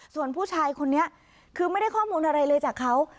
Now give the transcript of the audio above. ส่วนผู้ชายคนนี้คือไม่ได้ข้อมูลอะไรเลยจากเขา